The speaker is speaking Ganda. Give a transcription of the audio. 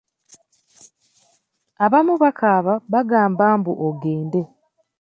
Abamu bakaaba bagamba mbu ogende.